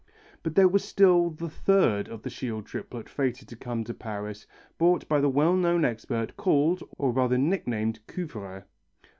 But there was still the third of the shield triplet fated to come to Paris, bought by the well known expert called, or rather nicknamed, Couvreur.